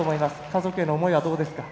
家族への思いはどうですか？